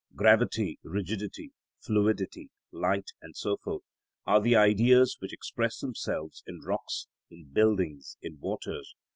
Gravity, rigidity, fluidity, light, and so forth, are the Ideas which express themselves in rocks, in buildings, in waters.